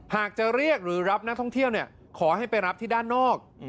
หากจะเรียกหรือรับนักท่องเที่ยวขอให้ไปรับที่ด้านนอก